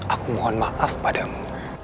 aku mohon maaf padamu